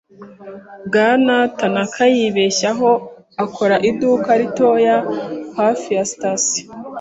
Bwana Tanaka yibeshaho akora iduka ritoyi hafi ya sitasiyo.